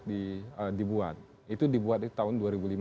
dibuat itu dibuat tahun dua ribu lima belas